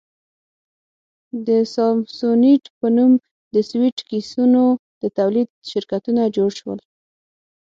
د سامسونیټ په نوم د سویټ کېسونو د تولید شرکتونه جوړ شول.